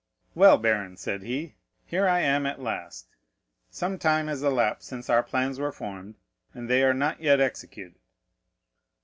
40086m "Well, baron," said he, "here I am at last; some time has elapsed since our plans were formed, and they are not yet executed."